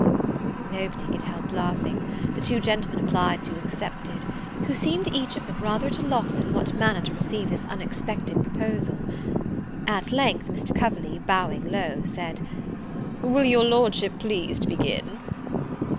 Nobody could help laughing, the two gentlemen applied to excepted; who seemed, each of them, rather at a loss in what manner to receive this unexpected proposal. At length Mr. Coverley, bowing low, said, "Will your Lordship please to begin?"